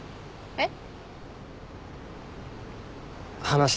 えっ？